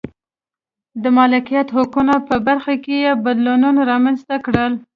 د مالکیت حقونو په برخه کې یې بدلونونه رامنځته کړل.